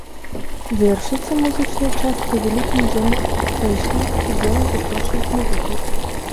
Завяршыцца музычная частка вялікім джэм-сэйшнам з удзелам запрошаных музыкаў.